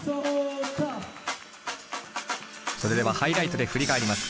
それではハイライトで振り返ります。